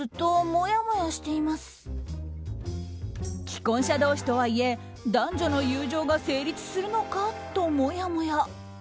既婚者同士とはいえ男女の友情が成立するのか？ともやもや。